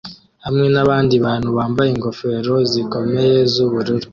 hamwe nabandi bantu bambaye ingofero zikomeye z'ubururu